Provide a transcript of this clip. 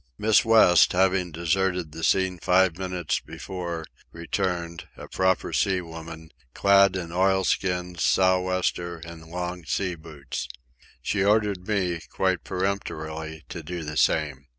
Miss West, having deserted the scene five minutes before, returned, a proper sea woman, clad in oil skins, sou'wester, and long sea boots. She ordered me, quite peremptorily, to do the same.